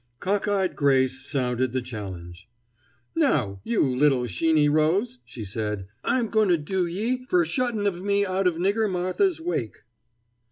Cock eyed Grace sounded the challenge. "Now, you little Sheeny Rose," she said, "I'm goin' to do ye fer shuttin' of me out o' Nigger Martha's wake."